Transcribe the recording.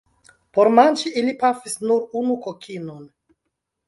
Por manĝi ili pafis nur unu kokinon.